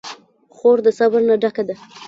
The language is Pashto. خور د صبر نه ډکه ده.